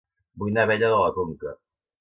Vull anar a Abella de la Conca